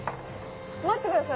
待ってください